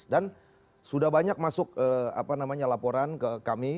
dan sudah banyak masuk laporan ke kami